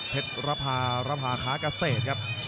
เพชรภารภาคาเกษตรครับ